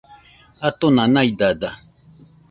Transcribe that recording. Atona naidada